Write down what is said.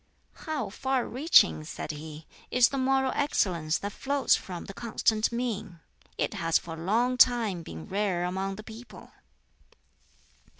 "How far reaching," said he, "is the moral excellence that flows from the Constant Mean! It has for a long time been rare among the people."